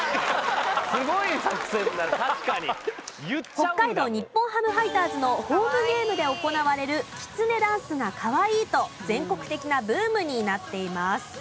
北海道日本ハムファイターズのホームゲームで行われるきつねダンスがかわいいと全国的なブームになっています。